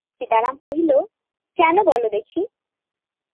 সীতারাম কহিল, কেন বলো দেখি?